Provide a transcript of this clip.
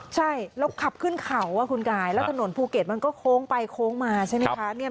ใช่แล้วขับขึ้นเขาคุณกายแล้วถนนภูเก็ตมันก็โค้งไปโค้งมาใช่ไหมคะ